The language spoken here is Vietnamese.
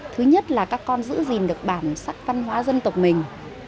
thứ nhất là các con giữ gìn được bản sắc văn hóa dân tộc mình